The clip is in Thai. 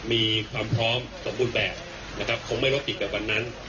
มีความพร้อมสมบูรณ์แบบนะครับคงไม่ลดกิจกับวันนั้น